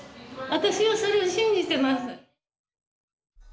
私はそれを信じてます。